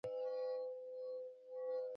نوم لیکنه په کال نولس سوه اووم کې پیل شوه.